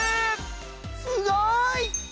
すごい！